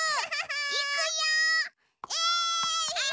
いくよえいっ！